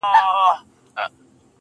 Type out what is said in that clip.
نور مي له ورځي څـخــه بـــد راځـــــــي.